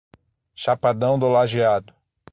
Chapadão do Lageado